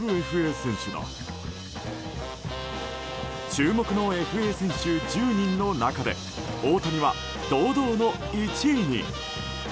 注目のＦＡ選手１０人の中で大谷は堂々の１位に。